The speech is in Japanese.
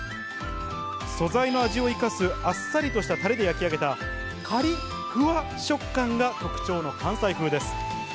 素材の味を生かす、あっさりとしたタレで焼き上げた、カリッフワッ食感が特徴の関西風です。